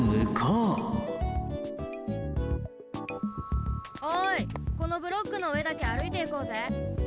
たとえばおいこのブロックのうえだけあるいていこうぜ。